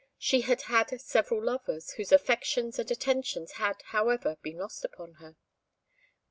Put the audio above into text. She had had several lovers, whose affections and attentions had, however, been lost upon her.